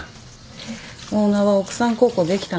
オーナーは奥さん孝行できたんですね。